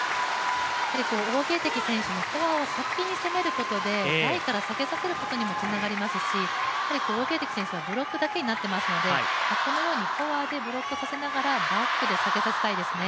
王ゲイ迪選手にフォアを先に攻めることで、台から下げさせることにもなりますし王ゲイ迪選手はブロックだけになってますので、このようにフォアでブロックさせながらバックで攻めたいですね。